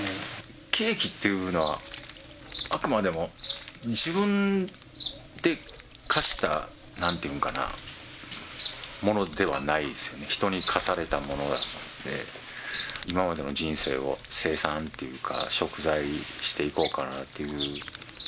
刑期というのは、あくまでも自分で科した、なんて言うんかな、ものではないですよね、人に科されたものなので、今までの人生を清算っていうか、しょく罪していこうかなっていう。